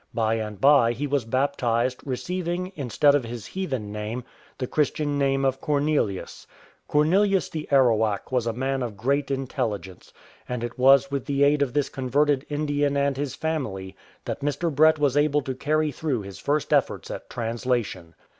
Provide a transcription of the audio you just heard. By and by he was baptized, receiving, instead of his heathen name, the Christian name of Cornelius. Cornelius the Arawak was a man of great intelligence, and it was with the aid of this converted Indian and his family that Mr. Brett was able to carry through his first efforts at translation.